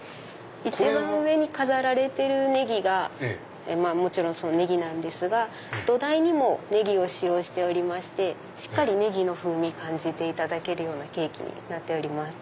一番上に飾られてるネギがもちろんネギなんですが土台にもネギを使用しておりましてしっかりネギの風味感じられるケーキになっております。